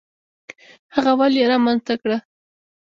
هغه ولې یې رامنځته کړه؟